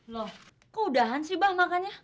loh keudahan sih bah makanya